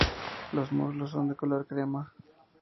Los muslos son de color crema.